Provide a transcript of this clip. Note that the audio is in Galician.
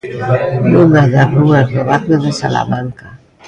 Nunha das rúas do barrio de Salamanca.